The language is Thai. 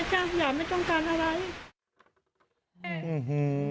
เท่านี้แหละจ้ะ